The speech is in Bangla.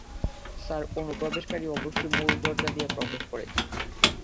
স্যার, অনুপ্রবেশকারী অবশ্যই মূল দরজা দিয়ে প্রবেশ করেছে।